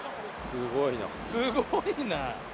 すごいな！